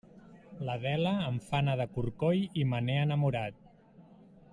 L'Adela em fa anar de corcoll i me n'he enamorat.